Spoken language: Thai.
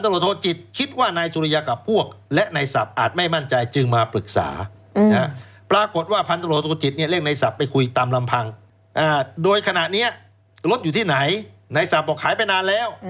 รถอยู่ที่ไหนนายศัพท์บอกหายไปนานแล้ว